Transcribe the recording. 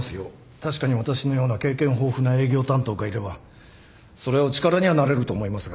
確かに私のような経験豊富な営業担当がいればそりゃあお力にはなれると思いますがね。